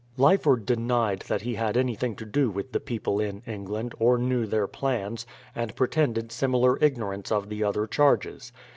Lyford denied that he had anything to do with the people in England, or knew their plans, and pretended similar ignorance of the other charges.